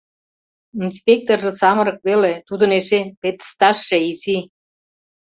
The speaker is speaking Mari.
Инспекторжо самырык веле, тудын эше педстажше изи.